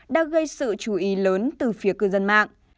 đang gây sự chú ý lớn từ phía cư dân mạng